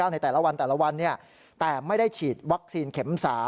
ในแต่ละวันเนี่ยแต่ไม่ได้ฉีดวัคซีนเข็ม๓